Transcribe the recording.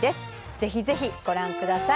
ぜひぜひご覧ください